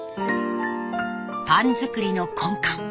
パン作りの根幹